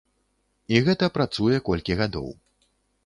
І гэта працуе колькі гадоў.